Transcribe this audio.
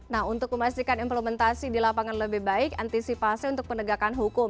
nah untuk memastikan implementasi di lapangan lebih baik antisipasi untuk penegakan hukum